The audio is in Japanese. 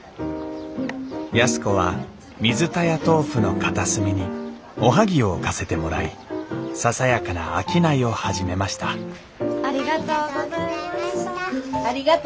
安子は水田屋とうふの片隅におはぎを置かせてもらいささやかな商いを始めましたありがとうございました。